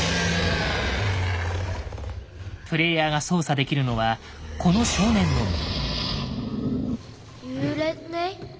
プレイヤーが操作できるのはこの少年のみ。